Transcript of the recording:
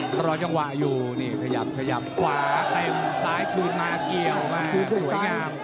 รอจังหวะอยู่นี่ขยับขยับขวาเต็มซ้ายคืนมาเกี่ยวมาสวยงาม